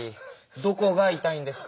どこがいたいんですか？